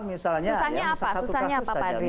susahnya apa pak idris